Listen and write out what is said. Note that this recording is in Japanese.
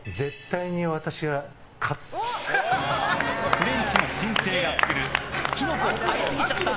フレンチの新星が作るキノコ生えすぎちゃった！